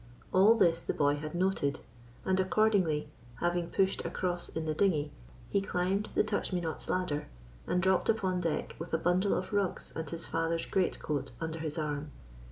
All this the boy had noted; and accordingly, having pushed across in the dinghy, he climbed the Touch me not's ladder and dropped upon deck with a bundle of rugs and his father's greatcoat under his arm.